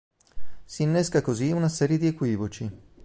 Si innesca così una serie di equivoci.